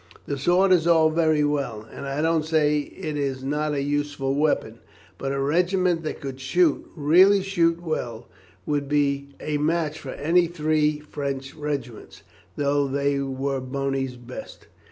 The sword is all very well, and I don't say it is not a useful weapon, but a regiment that could shoot really shoot well would be a match for any three French regiments, though they were Boney's best."'